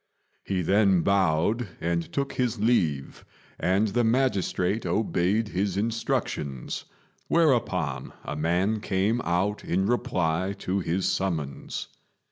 He then bowed and took his leave, and the magistrate obeyed his instructions, whereupon a man came out in reply to his summons.